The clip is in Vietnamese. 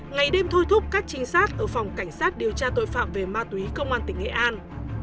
ngày đêm thôi thúc các trinh sát ở phòng cảnh sát điều tra tội phạm về ma túy công an tỉnh nghệ an